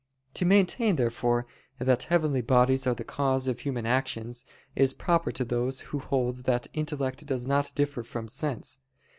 To maintain therefore that heavenly bodies are the cause of human actions is proper to those who hold that intellect does not differ from sense.